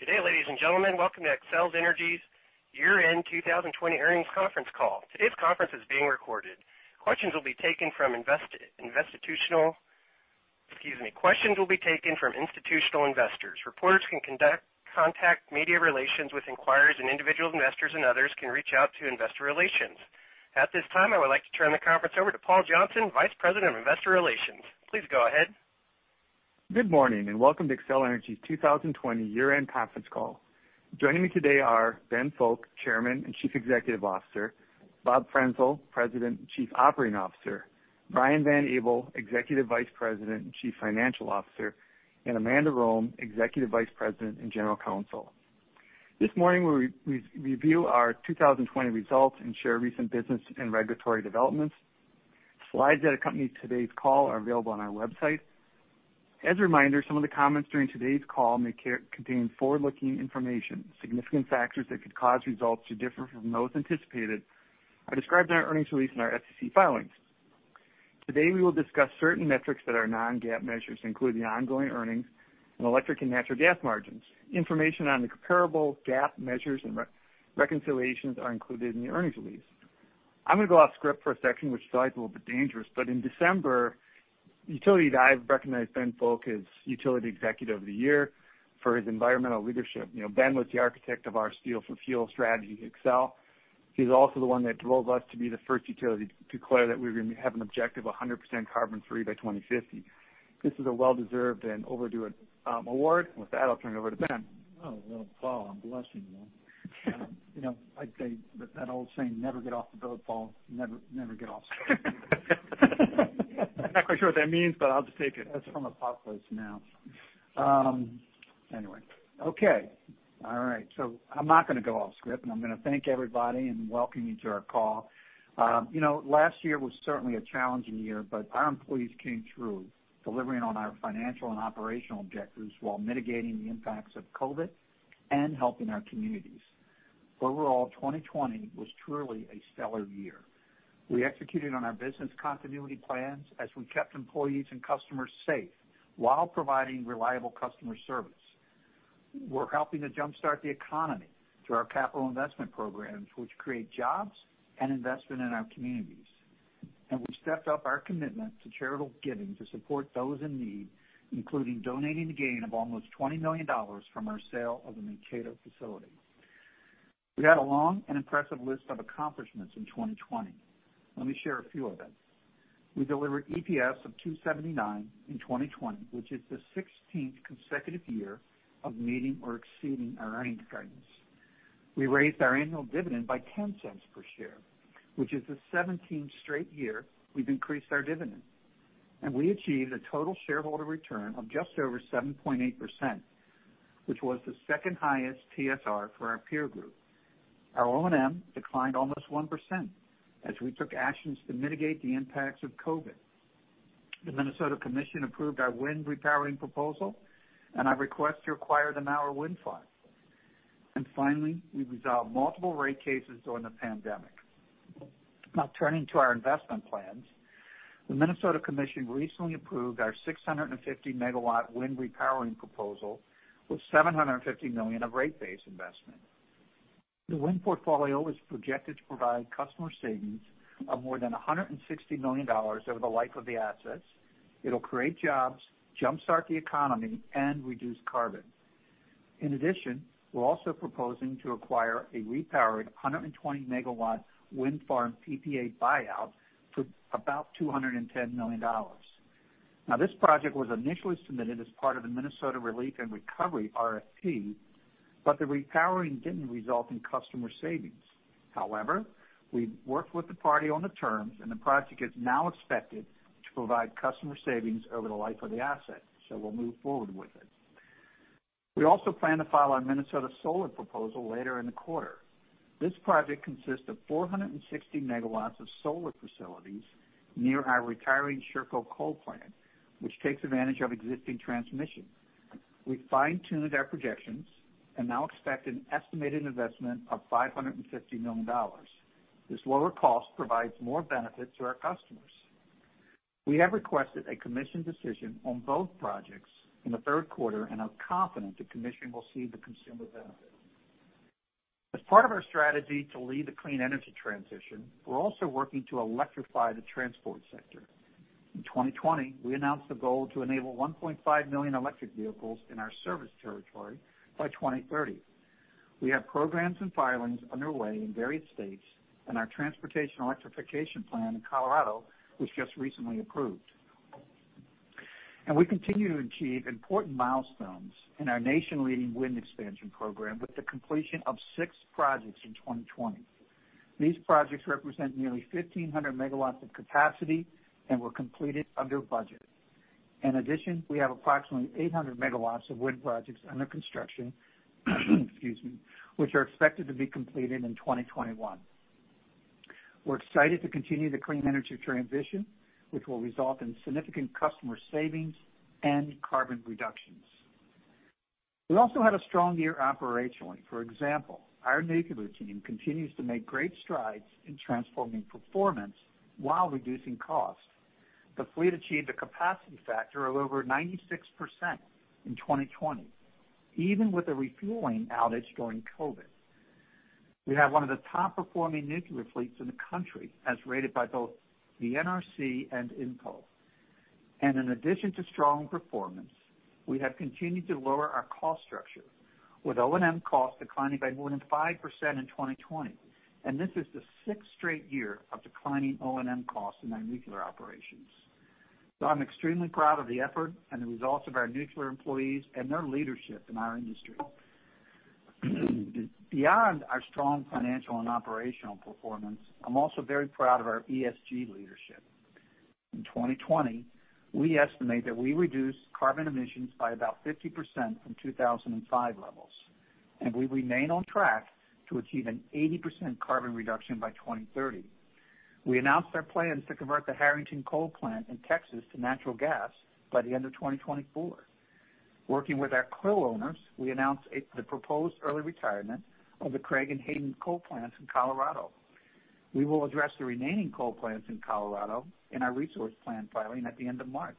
Good day, ladies and gentlemen. Welcome to Xcel Energy's year-end 2020 earnings conference call. Today's conference is being recorded. Questions will be taken from institutional investors. Reporters can contact media relations with inquirers, and individual investors and others can reach out to investor relations. At this time, I would like to turn the conference over to Paul Johnson, Vice President of Investor Relations. Please go ahead. Good morning, and welcome to Xcel Energy's 2020 year-end conference call. Joining me today are Ben Fowke, Chairman and Chief Executive Officer, Bob Frenzel, President and Chief Operating Officer, Brian Van Abel, Executive Vice President and Chief Financial Officer, and Amanda Rome, Executive Vice President and General Counsel. This morning, we review our 2020 results and share recent business and regulatory developments. Slides that accompany today's call are available on our website. As a reminder, some of the comments during today's call may contain forward-looking information. Significant factors that could cause results to differ from those anticipated are described in our earnings release and our SEC filings. Today, we will discuss certain metrics that are non-GAAP measures, including the ongoing earnings and electric and natural gas margins. Information on the comparable GAAP measures and reconciliations are included in the earnings release. I'm going to go off script for a section which slides a little bit dangerous. In December, Utility Dive recognized Ben Fowke as Utility Executive of the Year for his environmental leadership. Ben was the architect of our Steel for Fuel strategy at Xcel. He's also the one that drove us to be the first utility to declare that we have an objective of 100% carbon-free by 2050. This is a well-deserved and overdue award. With that, I'll turn it over to Ben. Oh, well, Paul, I'm blushing now. You know, I'd say that old saying, never get off the boat, Paul. Never get off script. I'm not quite sure what that means, but I'll just take it. That's from Apocalypse Now. Anyway. Okay. All right. I'm not going to go off script, and I'm going to thank everybody and welcome you to our call. Last year was certainly a challenging year, but our employees came through, delivering on our financial and operational objectives while mitigating the impacts of COVID and helping our communities. Overall, 2020 was truly a stellar year. We executed on our business continuity plans as we kept employees and customers safe while providing reliable customer service. We're helping to jumpstart the economy through our capital investment programs, which create jobs and investment in our communities. We've stepped up our commitment to charitable giving to support those in need, including donating the gain of almost $20 million from our sale of the Mankato facility. We had a long and impressive list of accomplishments in 2020. Let me share a few of them. We delivered EPS of $279 in 2020, which is the 16th consecutive year of meeting or exceeding our earnings guidance. We raised our annual dividend by $0.10 per share, which is the 17th straight year we've increased our dividend. We achieved a total shareholder return of just over 7.8%, which was the second highest TSR for our peer group. Our O&M declined almost 1% as we took actions to mitigate the impacts of COVID. The Minnesota Commission approved our wind repowering proposal and our request to acquire the Mower Wind Farm. Finally, we resolved multiple rate cases during the pandemic. Now turning to our investment plans. The Minnesota Commission recently approved our 650-MW wind repowering proposal with $750 million of rate base investment. The wind portfolio is projected to provide customer savings of more than $160 million over the life of the assets. It'll create jobs, jumpstart the economy, and reduce carbon. We're also proposing to acquire a repowered 120-MW wind farm PPA buyout for about $210 million. This project was initially submitted as part of the Minnesota Relief and Recovery RFP, but the repowering didn't result in customer savings. We worked with the party on the terms, and the project is now expected to provide customer savings over the life of the asset, so we'll move forward with it. We also plan to file our Minnesota solar proposal later in the quarter. This project consists of 460 MW of solar facilities near our retiring Sherco coal plant, which takes advantage of existing transmission. We fine-tuned our projections and now expect an estimated investment of $550 million. This lower cost provides more benefits to our customers. We have requested a Commission decision on both projects in the Q3 and are confident the Commission will see the consumer benefit. As part of our strategy to lead the clean energy transition, we're also working to electrify the transport sector. In 2020, we announced the goal to enable 1.5 million electric vehicles in our service territory by 2030. We have programs and filings underway in various states, our transportation electrification plan in Colorado was just recently approved. We continue to achieve important milestones in our nation-leading wind expansion program with the completion of six projects in 2020. These projects represent nearly 1,500 MW of capacity and were completed under budget. In addition, we have approximately 800 MW of wind projects under construction, excuse me, which are expected to be completed in 2021. We're excited to continue the clean energy transition, which will result in significant customer savings and carbon reductions. We also had a strong year operationally. For example, our nuclear team continues to make great strides in transforming performance while reducing costs. The fleet achieved a capacity factor of over 96% in 2020, even with a refueling outage during COVID. We have one of the top-performing nuclear fleets in the country, as rated by both the NRC and INPO. In addition to strong performance, we have continued to lower our cost structure, with O&M costs declining by more than 5% in 2020. This is the sixth straight year of declining O&M costs in our nuclear operations. I'm extremely proud of the effort and the results of our nuclear employees and their leadership in our industry. Beyond our strong financial and operational performance, I'm also very proud of our ESG leadership. In 2020, we estimate that we reduced carbon emissions by about 50% from 2005 levels, and we remain on track to achieve an 80% carbon reduction by 2030. We announced our plans to convert the Harrington coal plant in Texas to natural gas by the end of 2024. Working with our coal owners, we announced the proposed early retirement of the Craig and Hayden coal plants in Colorado. We will address the remaining coal plants in Colorado in our resource plan filing at the end of March.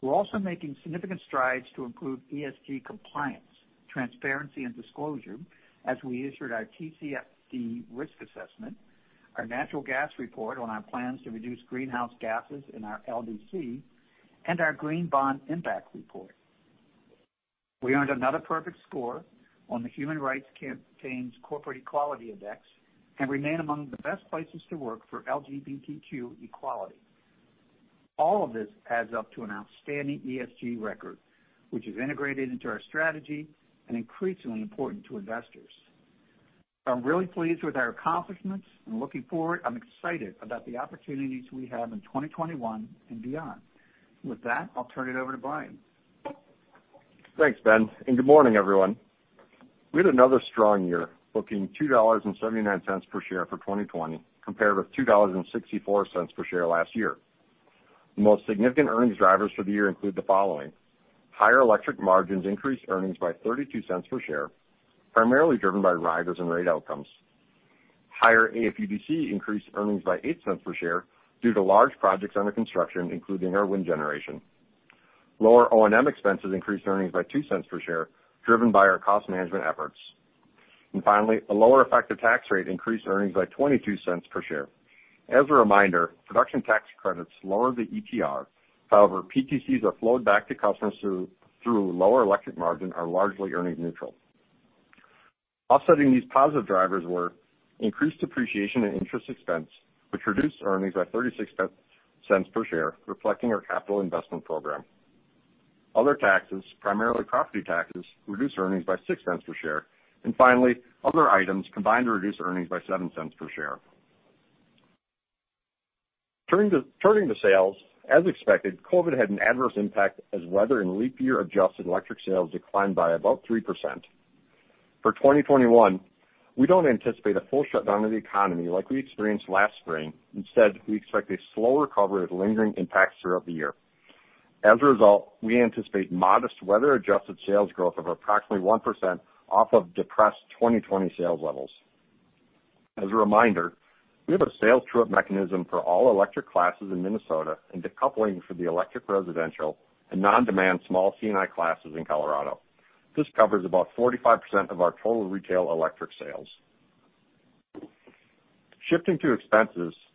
We're also making significant strides to improve ESG compliance, transparency, and disclosure as we issued our TCFD risk assessment, our natural gas report on our plans to reduce greenhouse gases in our LDC, and our green bond impact report. We earned another perfect score on the Human Rights Campaign's Corporate Equality Index and remain among the best places to work for LGBTQ equality. All of this adds up to an outstanding ESG record, which is integrated into our strategy and increasingly important to investors. I'm really pleased with our accomplishments and looking forward, I'm excited about the opportunities we have in 2021 and beyond. With that, I'll turn it over to Brian. Thanks, Ben, good morning, everyone. We had another strong year, booking $2.79 per share for 2020 compared with $2.64 per share last year. The most significant earnings drivers for the year include the following: Higher electric margins increased earnings by $0.32 per share, primarily driven by riders and rate outcomes. Higher AFUDC increased earnings by $0.08 per share due to large projects under construction, including our wind generation. Lower O&M expenses increased earnings by $0.02 per share, driven by our cost management efforts. Finally, a lower effective tax rate increased earnings by $0.22 per share. As a reminder, production tax credits lower the ETR, however, PTCs are flowed back to customers through lower electric margin are largely earnings neutral. Offsetting these positive drivers were increased depreciation and interest expense, which reduced earnings by $0.36 per share, reflecting our capital investment program. Other taxes, primarily property taxes, reduced earnings by $0.06 per share. Finally, other items combined to reduce earnings by $0.07 per share. Turning to sales, as expected, COVID had an adverse impact as weather and leap year-adjusted electric sales declined by about 3%. For 2021, we don't anticipate a full shutdown of the economy like we experienced last spring. Instead, we expect a slow recovery with lingering impacts throughout the year. As a result, we anticipate modest weather-adjusted sales growth of approximately 1% off of depressed 2020 sales levels. As a reminder, we have a sales true-up mechanism for all electric classes in Minnesota and decoupling for the electric residential and non-demand small C&I classes in Colorado. This covers about 45% of our total retail electric sales. Shifting to expenses, we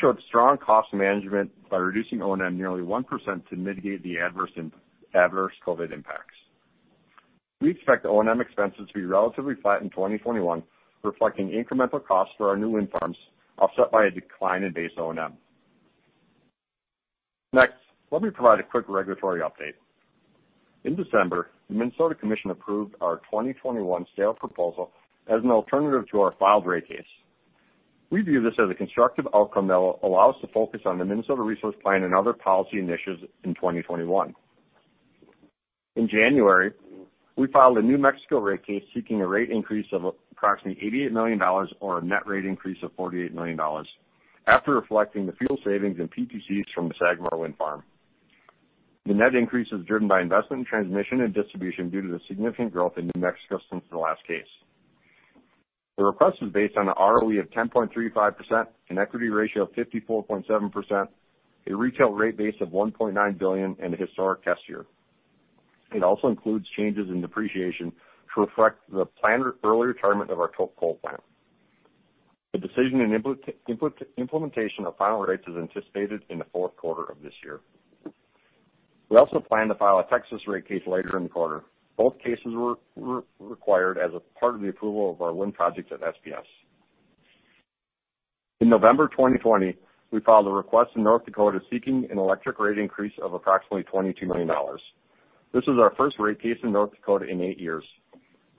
showed strong cost management by reducing O&M nearly 1% to mitigate the adverse COVID impacts. We expect O&M expenses to be relatively flat in 2021, reflecting incremental costs for our new wind farms, offset by a decline in base O&M. Next, let me provide a quick regulatory update. In December, the Minnesota Commission approved our 2021 sale proposal as an alternative to our filed rate case. We view this as a constructive outcome that will allow us to focus on the Minnesota Resource Plan and other policy initiatives in 2021. In January, we filed a New Mexico rate case seeking a rate increase of approximately $88 million, or a net rate increase of $48 million, after reflecting the fuel savings and PTCs from the Sagamore wind farm. The net increase is driven by investment in transmission and distribution due to the significant growth in New Mexico since the last case. The request is based on an ROE of 10.35%, an equity ratio of 54.7%, a retail rate base of $1.9 billion, and a historic test year. It also includes changes in depreciation to reflect the planned early retirement of our coal plant. The decision and implementation of final rates is anticipated in the Q4 of this year. We also plan to file a Texas rate case later in the quarter. Both cases were required as a part of the approval of our wind projects at SPS. In November 2020, we filed a request in North Dakota seeking an electric rate increase of approximately $22 million. This is our first rate case in North Dakota in eight years.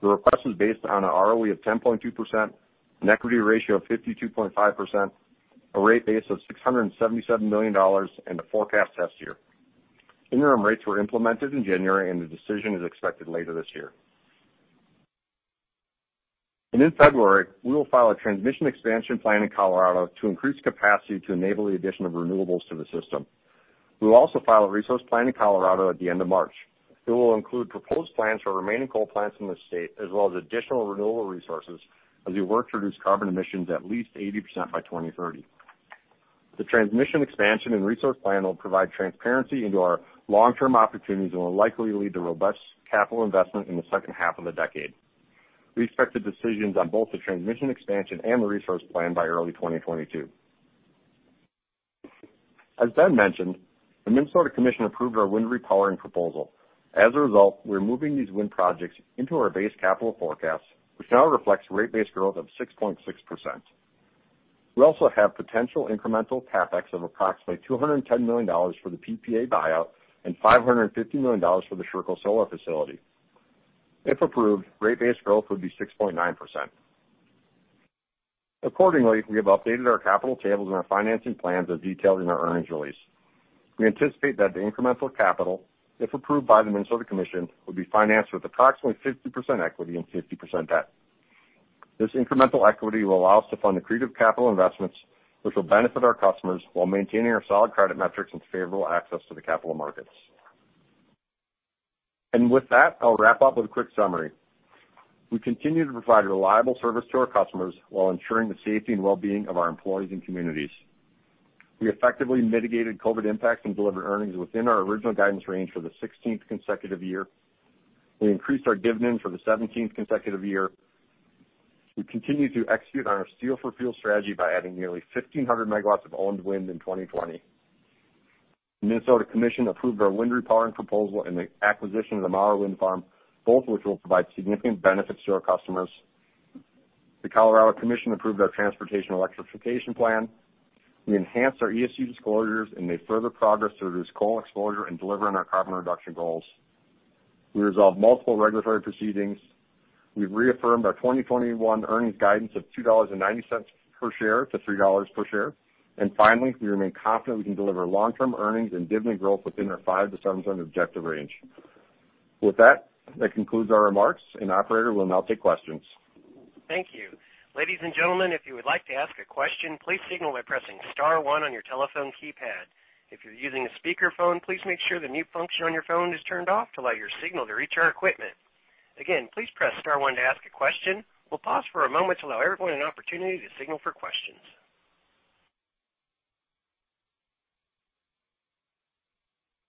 The request is based on an ROE of 10.2%, an equity ratio of 52.5%, a rate base of $677 million, and a forecast test year. Interim rates were implemented in January, and the decision is expected later this year. In February, we will file a transmission expansion plan in Colorado to increase capacity to enable the addition of renewables to the system. We will also file a resource plan in Colorado at the end of March. It will include proposed plans for remaining coal plants in the state, as well as additional renewable resources as we work to reduce carbon emissions at least 80% by 2030. The transmission expansion and resource plan will provide transparency into our long-term opportunities and will likely lead to robust capital investment in the H2 of the decade. We expect the decisions on both the transmission expansion and the resource plan by early 2022. As Ben mentioned, the Minnesota Commission approved our wind repowering proposal. As a result, we're moving these wind projects into our base capital forecast, which now reflects rate base growth of 6.6%. We also have potential incremental CapEx of approximately $210 million for the PPA buyout and $550 million for the Sherco solar facility. If approved, rate base growth would be 6.9%. Accordingly, we have updated our capital tables and our financing plans as detailed in our earnings release. We anticipate that the incremental capital, if approved by the Minnesota Commission, would be financed with approximately 50% equity and 50% debt. This incremental equity will allow us to fund accretive capital investments, which will benefit our customers while maintaining our solid credit metrics and favorable access to the capital markets. With that, I'll wrap up with a quick summary. We continue to provide a reliable service to our customers while ensuring the safety and wellbeing of our employees and communities. We effectively mitigated COVID impacts and delivered earnings within our original guidance range for the 16th consecutive year. We increased our dividend for the 17th consecutive year. We continue to execute on our Steel for Fuel strategy by adding nearly 1,500 MW of owned wind in 2020. The Minnesota Commission approved our wind repowering proposal and the acquisition of the Mower Wind Farm, both which will provide significant benefits to our customers. The Colorado Commission approved our transportation electrification plan. We enhanced our ESG disclosures and made further progress to reduce coal exposure and deliver on our carbon reduction goals. We resolved multiple regulatory proceedings. We've reaffirmed our 2021 earnings guidance of $2.90 per share to $3 per share. Finally, we remain confident we can deliver long-term earnings and dividend growth within our 5%-7% objective range. With that concludes our remarks, and operator, we'll now take questions.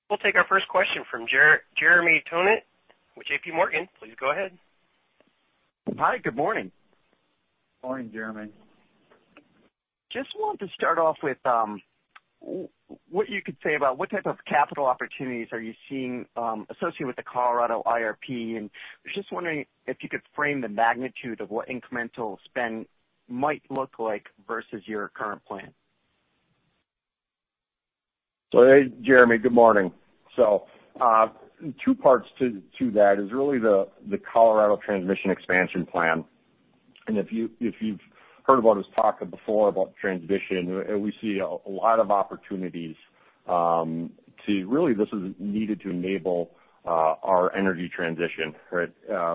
We'll take our first question from Jeremy Tonet with J.P. Morgan. Please go ahead. Hi, good morning. Morning, Jeremy. Just wanted to start off with what you could say about what type of capital opportunities are you seeing associated with the Colorado IRP, and was just wondering if you could frame the magnitude of what incremental spend might look like versus your current plan? Hey, Jeremy. Good morning. Two parts to that is really the Colorado transmission expansion plan. If you've heard about us talk before about transmission, we see a lot of opportunities to really, this is needed to enable our energy transition, right?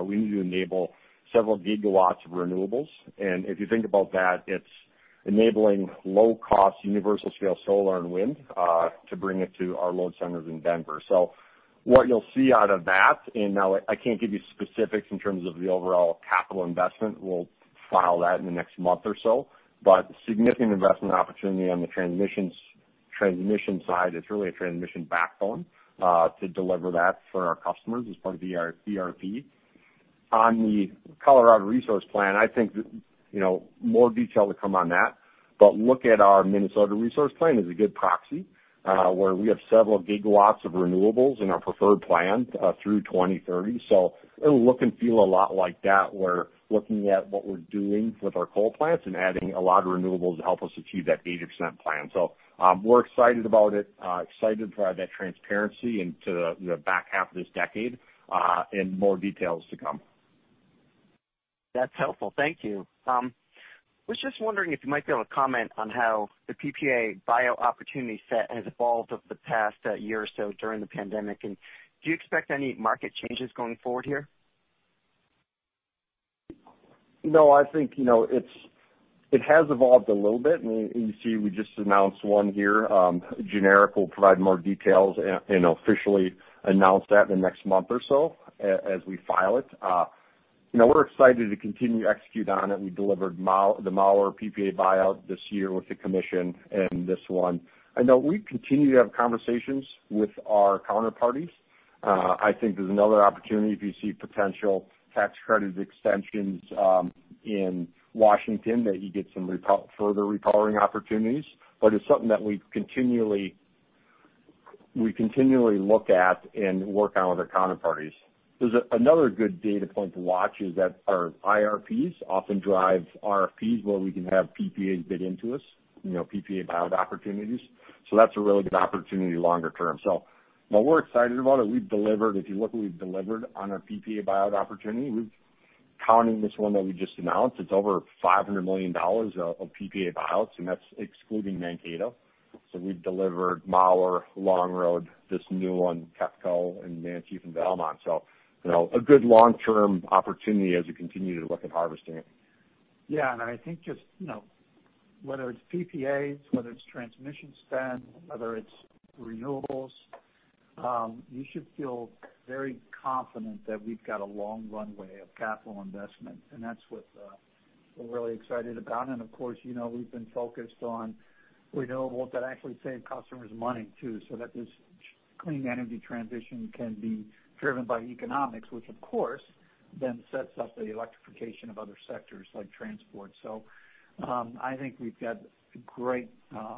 We need to enable several gigawatts of renewables. If you think about that, it's enabling low-cost universal-scale solar and wind to bring it to our load centers in Denver. What you'll see out of that, now I can't give you specifics in terms of the overall capital investment. We'll file that in the next month or so, significant investment opportunity on the transmission side. It's really a transmission backbone to deliver that for our customers as part of the IRP. The Colorado resource plan, I think more detail to come on that. Look at our Minnesota resource plan as a good proxy, where we have several gigawatts of renewables in our preferred plan through 2030. It'll look and feel a lot like that. We're looking at what we're doing with our coal plants and adding a lot of renewables to help us achieve that 80% plan. We're excited about it, excited to provide that transparency into the back half of this decade. More details to come. That's helpful. Thank you. I was just wondering if you might be able to comment on how the PPA buyout opportunity set has evolved over the past year or so during the pandemic. Do you expect any market changes going forward here? I think it has evolved a little bit, and you see we just announced one here. Generic will provide more details and officially announce that in the next month or so as we file it. We're excited to continue to execute on it. We delivered the Maher PPA buyout this year with the commission and this one. I know we continue to have conversations with our counterparties. I think there's another opportunity if you see potential tax credit extensions in Washington that you get some further repowering opportunities. It's something that we continually look at and work on with our counterparties. There's another good data point to watch is that our IRPs often drive RFPs where we can have PPAs bid into us, PPA buyout opportunities. That's a really good opportunity longer term. We're excited about it. We've delivered, if you look what we've delivered on our PPA buyout opportunity, counting this one that we just announced, it's over $500 million of PPA buyouts, and that's excluding Mankato. We've delivered Maher, Longroad Energy, this new one, KEPCO, and Manchief and Belmont. A good long-term opportunity as we continue to look at harvesting it. Yeah. I think just whether it's PPAs, whether it's transmission spend, whether it's renewables, you should feel very confident that we've got a long runway of capital investment, and that's what we're really excited about. Of course, we've been focused on renewables that actually save customers money too, so that this clean energy transition can be driven by economics, which of course, then sets up the electrification of other sectors like transport. I think we've got great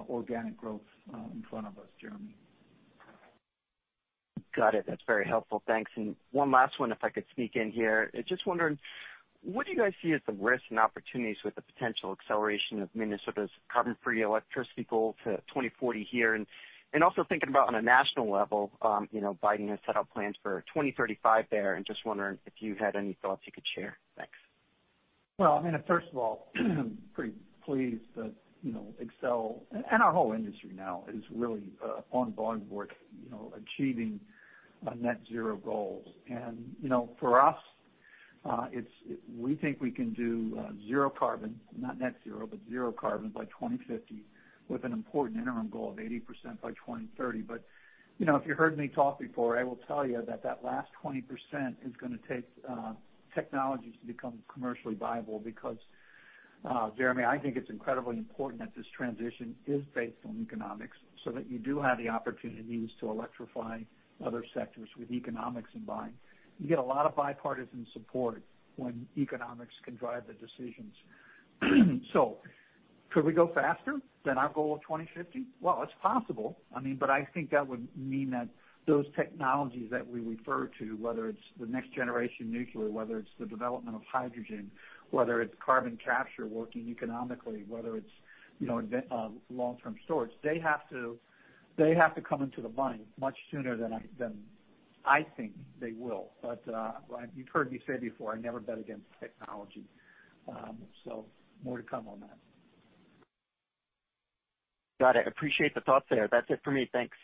organic growth in front of us, Jeremy. Got it. That's very helpful. Thanks. One last one, if I could sneak in here. I just wondering, what do you guys see as the risks and opportunities with the potential acceleration of Minnesota's carbon-free electricity goal to 2040 here? Also thinking about on a national level, Biden has set out plans for 2035 there, and just wondering if you had any thoughts you could share. Thanks. I mean, first of all, pretty pleased that Xcel, and our whole industry now is really on board with achieving a net zero goal. For us, we think we can do zero carbon, not net zero, but zero carbon by 2050 with an important interim goal of 80% by 2030. If you heard me talk before, I will tell you that last 20% is going to take technologies to become commercially viable because, Jeremy, I think it's incredibly important that this transition is based on economics so that you do have the opportunities to electrify other sectors with economics in buying. You get a lot of bipartisan support when economics can drive the decisions. Could we go faster than our goal of 2050? It's possible. I think that would mean that those technologies that we refer to, whether it's the next generation nuclear, whether it's the development of hydrogen, whether it's carbon capture working economically, whether it's long-term storage, they have to come into the bind much sooner than I think they will. You've heard me say before, I never bet against technology. More to come on that. Got it. Appreciate the thoughts there. That's it for me. Thanks.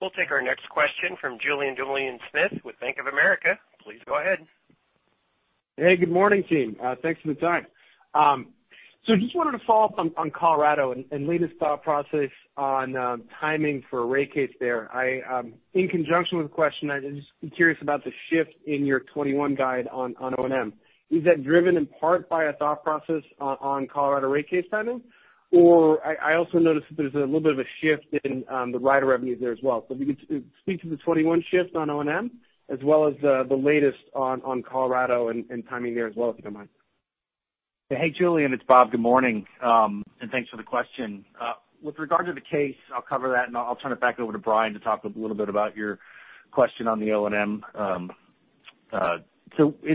We'll take our next question from Julien Dumoulin-Smith with Bank of America. Please go ahead. Hey, good morning, team. Thanks for the time. Just wanted to follow up on Colorado and latest thought process on timing for a rate case there. In conjunction with the question, I'm just curious about the shift in your 2021 guide on O&M. Is that driven in part by a thought process on Colorado rate case timing, or I also noticed that there's a little bit of a shift in the rider revenues there as well. If you could speak to the 2021 shift on O&M as well as the latest on Colorado and timing there as well, if you don't mind. Hey, Julien, it's Bob. Good morning, and thanks for the question. With regard to the case, I'll cover that, and I'll turn it back over to Brian to talk a little bit about your question on the O&M.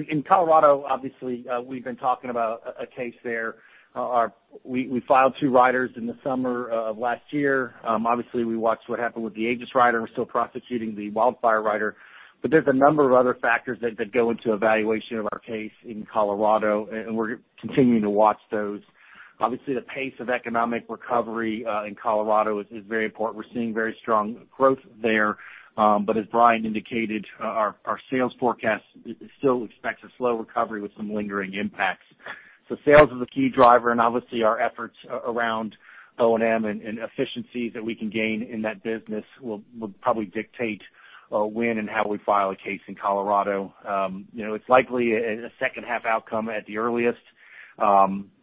In Colorado, obviously, we've been talking about a case there. We filed two riders in the summer of last year. Obviously, we watched what happened with the AGIS rider. We're still prosecuting the Wildfire Rider. There's a number of other factors that go into evaluation of our case in Colorado, and we're continuing to watch those. Obviously, the pace of economic recovery, in Colorado is very important. We're seeing very strong growth there. As Brian indicated, our sales forecast still expects a slow recovery with some lingering impacts. Sales is a key driver, and obviously our efforts around O&M and efficiencies that we can gain in that business will probably dictate when and how we file a case in Colorado. It's likely a H2 outcome at the earliest.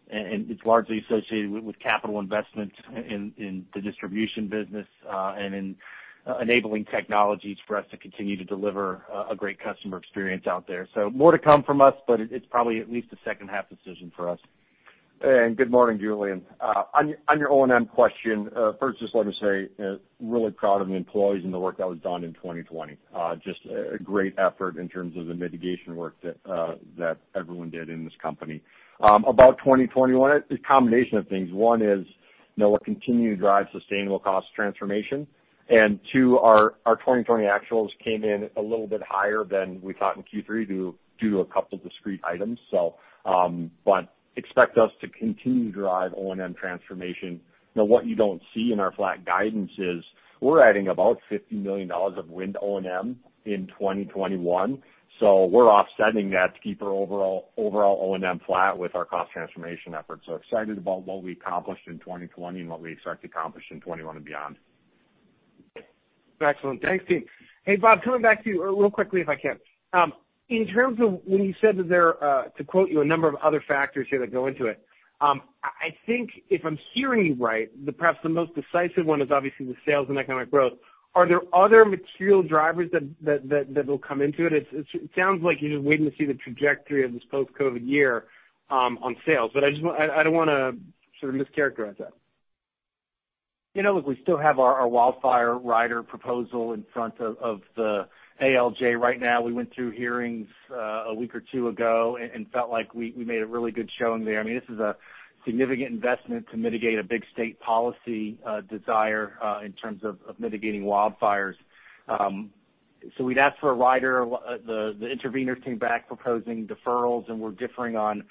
It's largely associated with capital investment in the distribution business, and in enabling technologies for us to continue to deliver a great customer experience out there. More to come from us, but it's probably at least a H2 decision for us. Good morning, Julien. On your O&M question, first, just let me say, really proud of the employees and the work that was done in 2020. Just a great effort in terms of the mitigation work that everyone did in this company. About 2021, it's a combination of things. One is we'll continue to drive sustainable cost transformation. Two, our 2020 actuals came in a little bit higher than we thought in Q3 due to a couple discrete items. Expect us to continue to drive O&M transformation. Now, what you don't see in our flat guidance is we're adding about $50 million of wind O&M in 2021. We're offsetting that to keep our overall O&M flat with our cost transformation efforts. Excited about what we accomplished in 2020 and what we expect to accomplish in 2021 and beyond. Excellent. Thanks, team. Hey, Bob, coming back to you real quickly, if I can. In terms of when you said that there are, to quote you, a number of other factors here that go into it. I think if I'm hearing you right, perhaps the most decisive one is obviously the sales and economic growth. Are there other material drivers that will come into it? It sounds like you're just waiting to see the trajectory of this post-COVID year on sales, but I don't want to sort of mischaracterize that. We still have our Wildfire rider proposal in front of the ALJ right now. We went through hearings a week or two ago and felt like we made a really good showing there. This is a significant investment to mitigate a big state policy desire in terms of mitigating wildfires. We'd asked for a rider. The interveners came back proposing deferrals, and we're differing on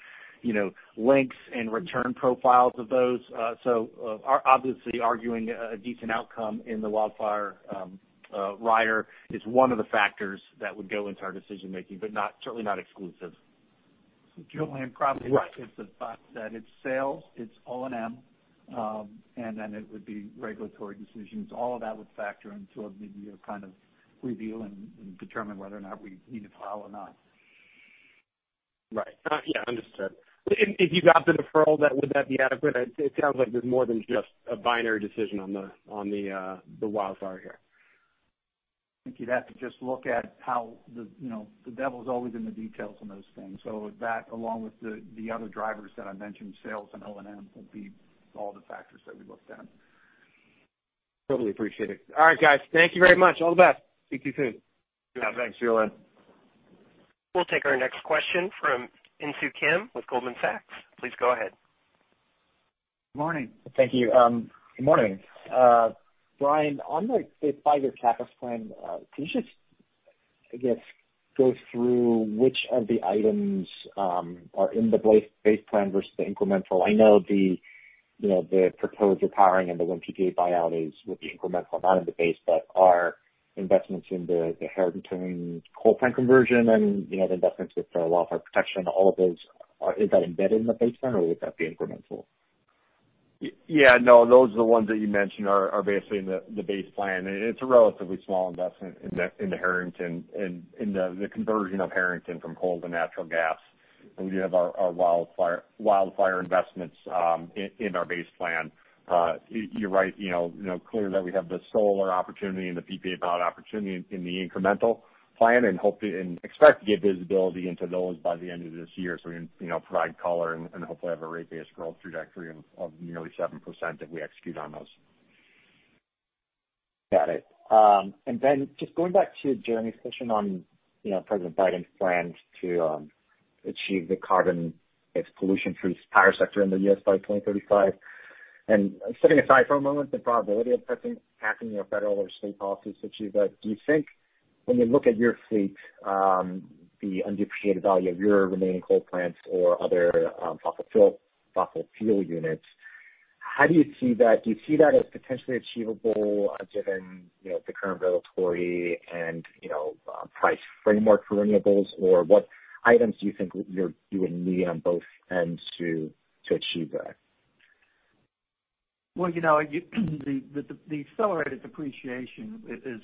lengths and return profiles of those. Obviously arguing a decent outcome in the Wildfire rider is one of the factors that would go into our decision-making, but certainly not exclusive. Julien. Right gets the thought that it's sales, it's O&M, and then it would be regulatory decisions. All of that would factor into a mid-year kind of review and determine whether or not we need to file or not. Right. Yeah, understood. If you got the deferral, would that be adequate? It sounds like there's more than just a binary decision on the wildfire here. I think you'd have to just look at how the devil's always in the details on those things. That, along with the other drivers that I mentioned, sales and O&M, will be all the factors that we looked at. Totally appreciate it. All right, guys. Thank you very much. All the best. Speak to you soon. Yeah, thanks. Thanks, Julien. We'll take our next question from Insoo Kim with Goldman Sachs. Please go ahead. Morning. Thank you. Good morning. Brian, on the five-year CapEx plan, can you just, I guess, go through which of the items are in the base plan versus the incremental? I know the proposed retiring of the wind PPA buyout would be incremental, not in the base. Are investments in the Harrington coal plant conversion and the investments with wildfire protection, all of those, is that embedded in the base plan or would that be incremental? Yeah. No, those are the ones that you mentioned are basically in the base plan. It is a relatively small investment in the conversion of Harrington from coal to natural gas. We have our wildfire investments in our base plan. You are right, clearly we have the solar opportunity and the PPA buyout opportunity in the incremental plan, and expect to get visibility into those by the end of this year so we can provide color and hopefully have a rate base growth trajectory of nearly 7% if we execute on those. Got it. Then just going back to Jeremy's question on President Biden's plan to achieve the carbon pollution-free power sector in the U.S. by 2035. Setting aside for a moment the probability of passing federal or state policies to achieve that, do you think when you look at your fleet, the undepreciated value of your remaining coal plants or other fossil fuel units, do you see that as potentially achievable given the current regulatory and price framework for renewables? Or what items do you think you would need on both ends to achieve that? Well, the accelerated depreciation is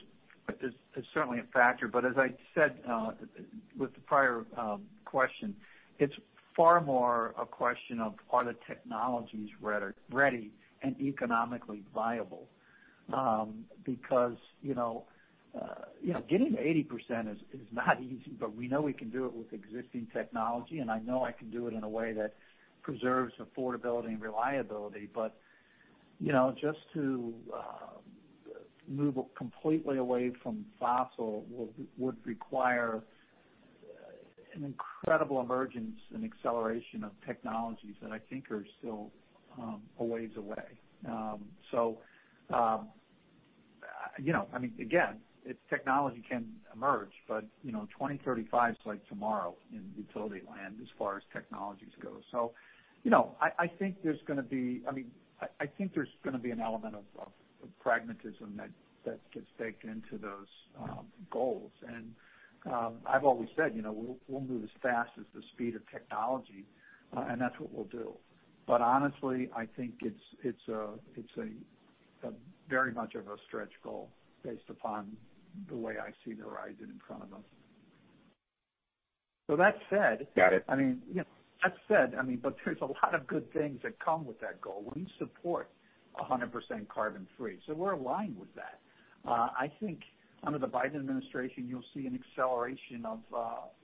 certainly a factor. As I said with the prior question, it's far more a question of are the technologies ready and economically viable? Because getting to 80% is not easy, but we know we can do it with existing technology, and I know I can do it in a way that preserves affordability and reliability. Just to move completely away from fossil would require an incredible emergence and acceleration of technologies that I think are still a ways away. Again, technology can emerge, but 2035 is like tomorrow in utility land as far as technologies go. I think there's going to be an element of pragmatism that gets baked into those goals. I've always said, we'll move as fast as the speed of technology, and that's what we'll do. Honestly, I think it's very much of a stretch goal based upon the way I see the horizon in front of us. Got it. There's a lot of good things that come with that goal. We support 100% carbon free, so we're aligned with that. I think under the Biden administration, you'll see an acceleration of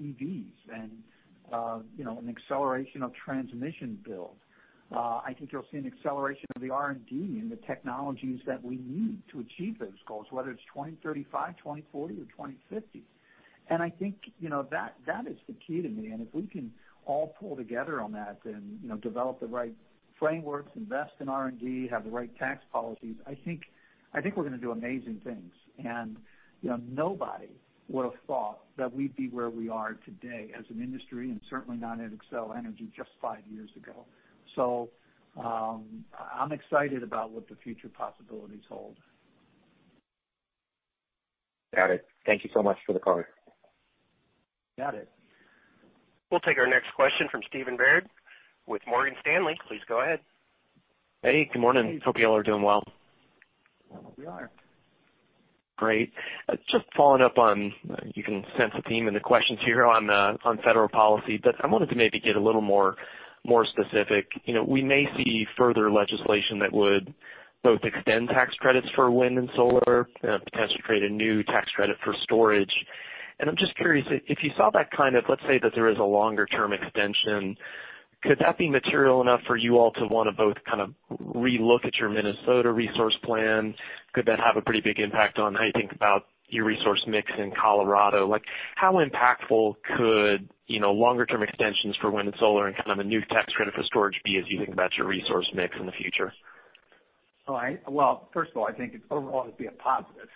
EVs and an acceleration of transmission build. I think you'll see an acceleration of the R&D and the technologies that we need to achieve those goals, whether it's 2035, 2040 or 2050. I think that is the key to me, and if we can all pull together on that and develop the right frameworks, invest in R&D, have the right tax policies, I think we're going to do amazing things. Nobody would've thought that we'd be where we are today as an industry, and certainly not at Xcel Energy just five years ago. I'm excited about what the future possibilities hold. Got it. Thank you so much for the color. Got it. We'll take our next question from Stephen Byrd with Morgan Stanley. Please go ahead. Hey, good morning. Hope you all are doing well. We are. Great. Just following up on, you can sense a theme in the questions here on federal policy, but I wanted to maybe get a little more specific. We may see further legislation that would both extend tax credits for wind and solar, and potentially create a new tax credit for storage. I'm just curious, if you saw that kind of, let's say that there is a longer term extension, could that be material enough for you all to want to both re-look at your Minnesota resource plan? Could that have a pretty big impact on how you think about your resource mix in Colorado? How impactful could longer term extensions for wind and solar and a new tax credit for storage be as you think about your resource mix in the future? Well, first of all, I think it'd overall be a positive.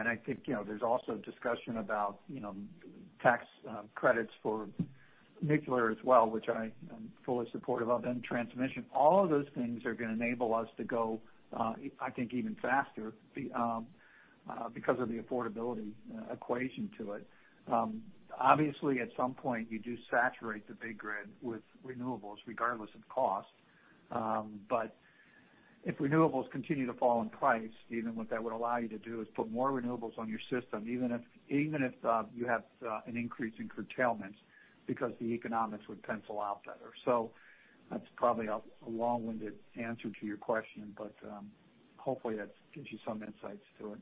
I think there's also discussion about tax credits for nuclear as well, which I am fully supportive of, and transmission. All of those things are going to enable us to go, I think, even faster because of the affordability equation to it. Obviously, at some point, you do saturate the big grid with renewables regardless of cost. If renewables continue to fall in price, Stephen, what that would allow you to do is put more renewables on your system, even if you have an increase in curtailment, because the economics would pencil out better. That's probably a long-winded answer to your question, but hopefully that gives you some insights to it.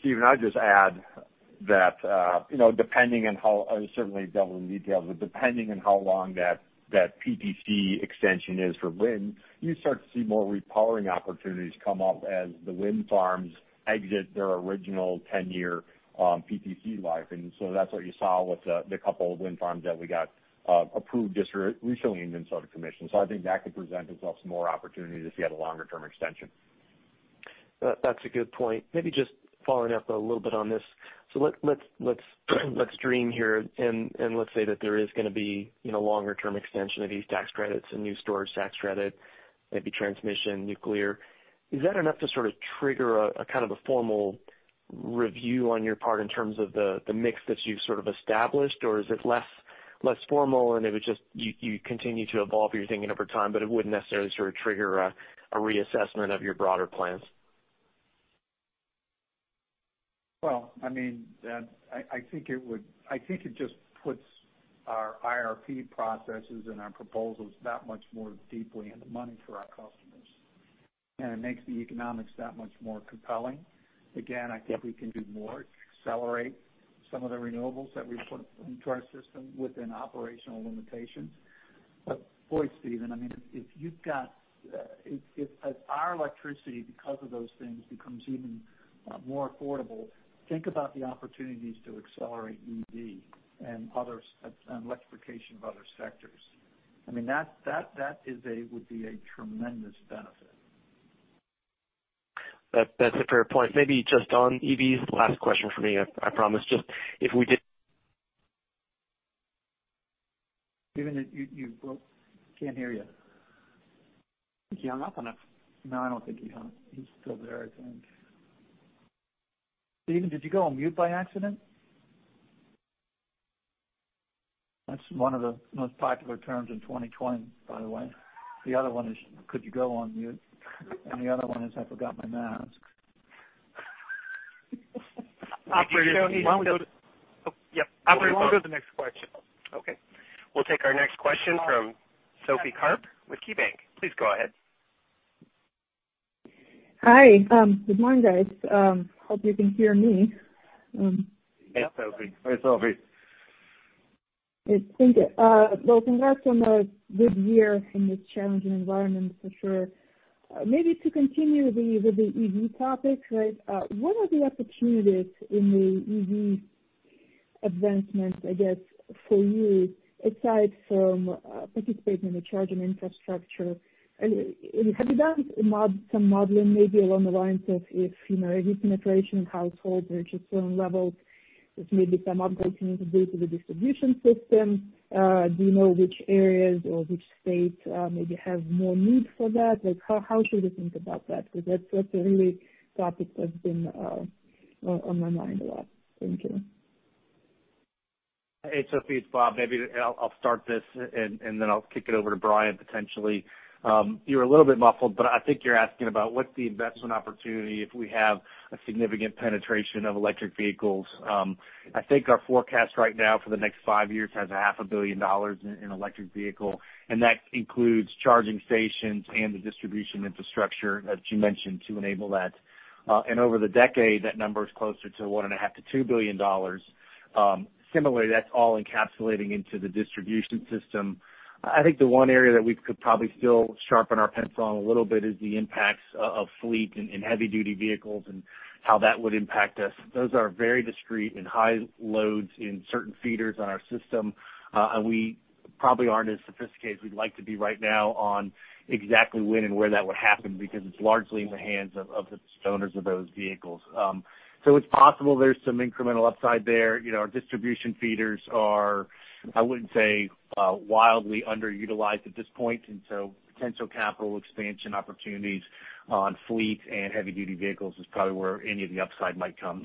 Stephen, I'd just add that depending on how, certainly devil in details, but depending on how long that PTC extension is for wind, you start to see more repowering opportunities come up as the wind farms exit their original 10-year PTC life. That's what you saw with the couple of wind farms that we got approved just recently in Minnesota Commission. I think that could present itself some more opportunity to see that longer-term extension. That's a good point. Maybe just following up a little bit on this. Let's dream here, and let's say that there is going to be longer-term extension of these tax credits, a new storage tax credit, maybe transmission, nuclear. Is that enough to sort of trigger a kind of a formal review on your part in terms of the mix that you've sort of established, or is it less formal, and it would just, you continue to evolve your thinking over time, but it wouldn't necessarily sort of trigger a reassessment of your broader plans? I think it just puts our IRP processes and our proposals that much more deeply into money for our customers. It makes the economics that much more compelling. Again, I think we can do more to accelerate some of the renewables that we put into our system within operational limitations. Boy, Stephen, if our electricity, because of those things, becomes even more affordable, think about the opportunities to accelerate EV and electrification of other sectors. That would be a tremendous benefit. That's a fair point. Maybe just on EVs, last question for me, I promise. Stephen, you broke Can't hear you. I think he hung up on us. I don't think he hung. He's still there, I think. Stephen, did you go on mute by accident? That's one of the most popular terms in 2020, by the way. The other one is, could you go on mute? The other one is, I forgot my mask. Operator. Yep. Operator, do you mind if we go to the next question? Okay. We'll take our next question from Sophie Karp with KeyBanc. Please go ahead. Hi. Good morning, guys. Hope you can hear me. Yeah, Sophie. Hi, Sophie. Thank you. Congrats on a good year in this challenging environment, for sure. Maybe to continue with the EV topic. What are the opportunities in the EV advancement, I guess, for you, aside from participating in the charging infrastructure? Have you done some modeling, maybe along the lines of if EV penetration in households reaches certain levels, there's maybe some upgrades needed to do to the distribution system? Do you know which areas or which states maybe have more need for that? How should we think about that? Because that's a really topic that's been on my mind a lot. Thank you. Hey, Sophie, it's Bob. Maybe I'll start this, then I'll kick it over to Brian, potentially. You were a little bit muffled, but I think you're asking about what the investment opportunity if we have a significant penetration of electric vehicles. I think our forecast right now for the next five years has a half a billion dollars in electric vehicle, that includes charging stations and the distribution infrastructure, as you mentioned, to enable that. Over the decade, that number is closer to $1.5 billion-$2 billion. Similarly, that's all encapsulating into the distribution system. I think the one area that we could probably still sharpen our pencil on a little bit is the impacts of fleet and heavy-duty vehicles and how that would impact us. Those are very discrete and high loads in certain feeders on our system. We probably aren't as sophisticated as we'd like to be right now on exactly when and where that would happen because it's largely in the hands of the owners of those vehicles. It's possible there's some incremental upside there. Our distribution feeders are, I wouldn't say, wildly underutilized at this point, potential capital expansion opportunities on fleet and heavy-duty vehicles is probably where any of the upside might come.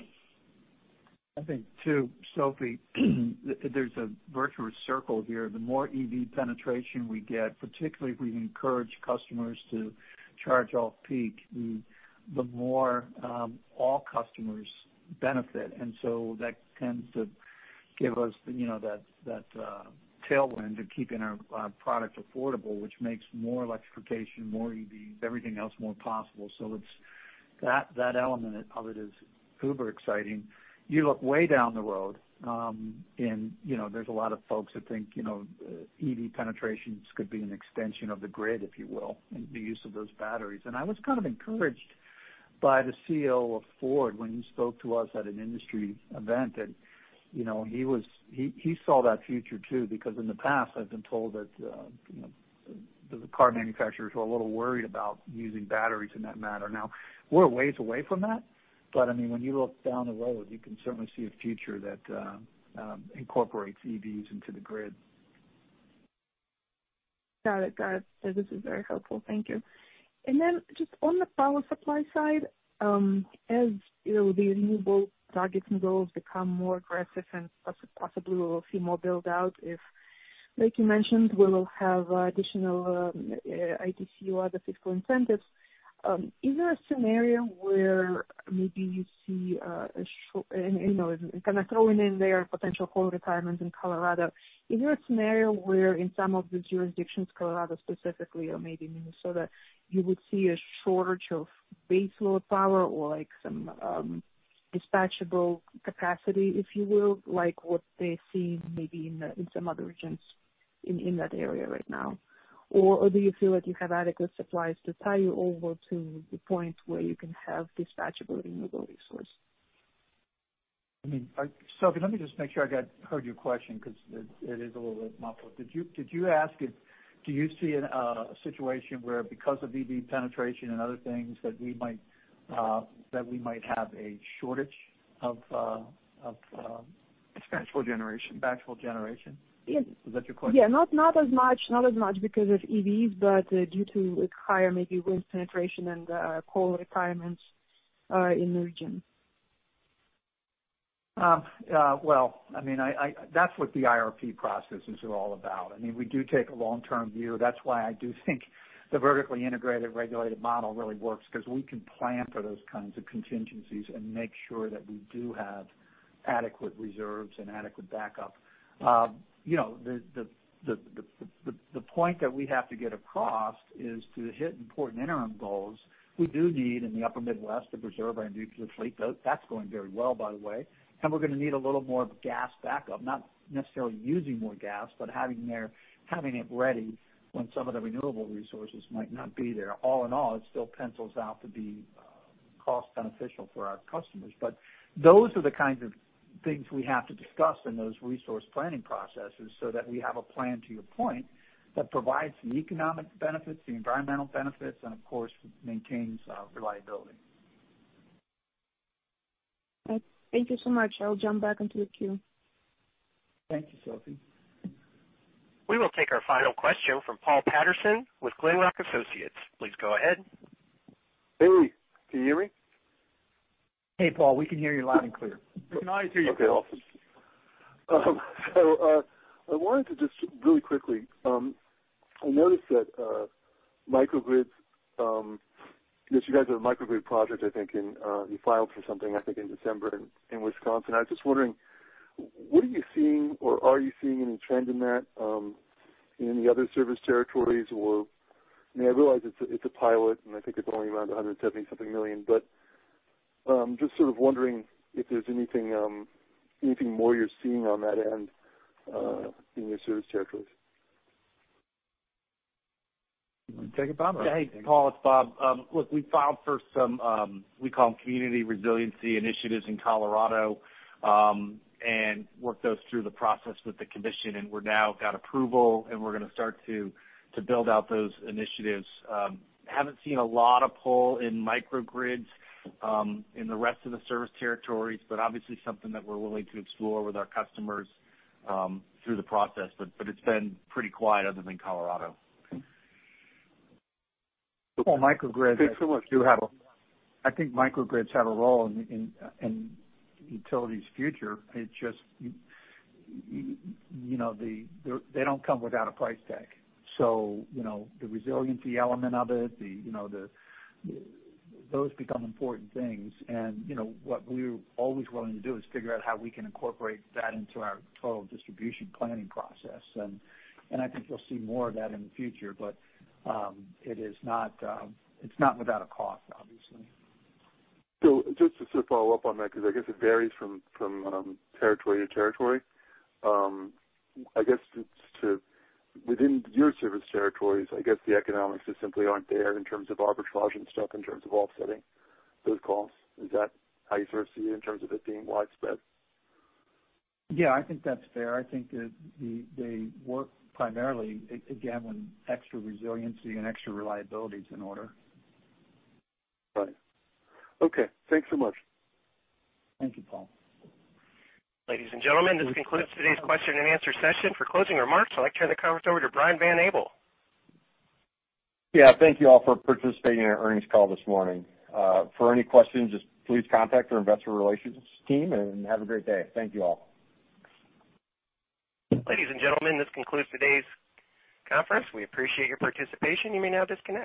I think, too, Sophie, there's a virtuous circle here. The more EV penetration we get, particularly if we encourage customers to charge off-peak, the more all customers benefit. That tends to give us that tailwind of keeping our product affordable, which makes more electrification, more EVs, everything else more possible. That element of it is uber exciting. You look way down the road, and there's a lot of folks that think EV penetrations could be an extension of the grid, if you will, and the use of those batteries. I was kind of encouraged by the CEO of Ford when he spoke to us at an industry event. He saw that future, too, because in the past, I've been told that the car manufacturers were a little worried about using batteries in that manner. We're a ways away from that, but when you look down the road, you can certainly see a future that incorporates EVs into the grid. Got it. This is very helpful. Thank you. Just on the power supply side, as the renewable targets and goals become more aggressive and possibly we will see more build-out if, like you mentioned, we will have additional ITC or other fiscal incentives. Is there a scenario where maybe you see, kind of throwing in there potential coal retirements in Colorado? Is there a scenario where in some of the jurisdictions, Colorado specifically, or maybe Minnesota, you would see a shortage of baseload power or some dispatchable capacity, if you will, like what they are seeing maybe in some other regions in that area right now? Or do you feel like you have adequate supplies to tie you over to the point where you can have dispatchable renewable resource? I mean, Sophie, let me just make sure I heard your question because it is a little bit muffled. Do you see a situation where because of EV penetration and other things, that we might have a shortage of? Dispatchable generation. Dispatchable generation? Yes. Is that your question? Yeah, not as much because of EVs, but due to higher maybe wind penetration and coal retirements in the region. Well, that's what the IRP processes are all about. I mean, we do take a long-term view. That's why I do think the vertically integrated regulated model really works, because we can plan for those kinds of contingencies and make sure that we do have adequate reserves and adequate backup. The point that we have to get across is to hit important interim goals. We do need, in the upper Midwest, to preserve our nuclear fleet. That's going very well, by the way. We're going to need a little more gas backup, not necessarily using more gas, but having it ready when some of the renewable resources might not be there. All in all, it still pencils out to be cost beneficial for our customers. Those are the kinds of things we have to discuss in those resource planning processes so that we have a plan, to your point, that provides the economic benefits, the environmental benefits, and of course, maintains reliability. Thank you so much. I'll jump back into the queue. Thank you, Sophie. We will take our final question from Paul Patterson with Glenrock Associates. Please go ahead. Hey, can you hear me? Hey, Paul, we can hear you loud and clear. We can always hear you, Paul. Okay, awesome. I wanted to just really quickly, I noticed that you guys have a microgrid project, I think, you filed for something, I think in December in Wisconsin. I was just wondering, what are you seeing or are you seeing any trend in that in any other service territories? I mean, I realize it's a pilot, and I think it's only around $170-something million, but just sort of wondering if there's anything more you're seeing on that end, in your service territories. You want to take it, Bob? Hey, Paul, it's Bob. Look, we filed for some, we call them Community Resiliency Initiatives in Colorado, and worked those through the process with the commission, and we're now got approval, and we're going to start to build out those initiatives. Haven't seen a lot of pull in microgrids, in the rest of the service territories, but obviously something that we're willing to explore with our customers through the process. It's been pretty quiet other than Colorado. Well, microgrids- Thanks so much. I think microgrids have a role in utility's future. It's just they don't come without a price tag. The resiliency element of it, those become important things. What we're always willing to do is figure out how we can incorporate that into our total distribution planning process. I think you'll see more of that in the future, but it's not without a cost, obviously. Just to follow up on that, because I guess it varies from territory to territory. I guess within your service territories, I guess the economics just simply aren't there in terms of arbitrage and stuff, in terms of offsetting those costs. Is that how you sort of see it in terms of it being widespread? Yeah, I think that's fair. I think that they work primarily, again, when extra resiliency and extra reliability is in order. Right. Okay, thanks so much. Thank you, Paul. Ladies and gentlemen, this concludes today's question and answer session. For closing remarks, I'd like to turn the conference over to Brian Van Abel. Yeah, thank you all for participating in our earnings call this morning. For any questions, just please contact our investor relations team, and have a great day. Thank you all. Ladies and gentlemen, this concludes today's conference. We appreciate your participation. You may now disconnect.